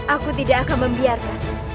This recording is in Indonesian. aku tidak akan membiarkan